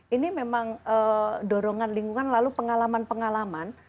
ini memang dorongan lingkungan lalu pengalaman pengalaman